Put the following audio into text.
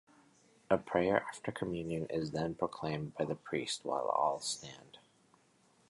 A Prayer After Communion is then proclaimed by the priest while all stand.